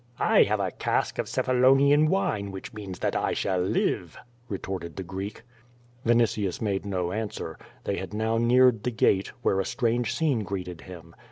"1 have a cask of C'ephalonian wine, which means that 1 shall live!" retorted the Greek. Vinitius made no answer. They had now neared the gate, where a strange scene greeted liim.